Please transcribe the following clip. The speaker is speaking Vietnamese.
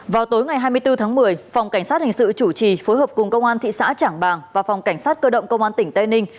vào tối ngày hai mươi bốn tháng một mươi phòng cảnh sát hình sự chủ trì phối hợp cùng công an thị xã trảng bàng và phòng cảnh sát cơ động công an tỉnh tây ninh